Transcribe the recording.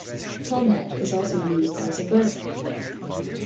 "Telnet" is also used as a verb.